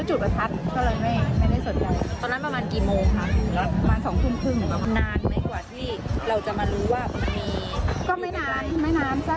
ดังปั้งอย่างเงี้ยแต่ก็ไม่ได้สนใจว่าเราก็ไม่คิดว่ามันจะมีการยิงกันอย่างเงี้ย